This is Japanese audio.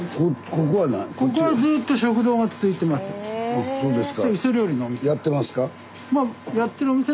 あっそうですか。